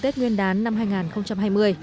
tết nguyên đán năm hai nghìn hai mươi